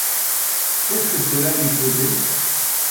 Qu'est-ce que cela lui faisait ?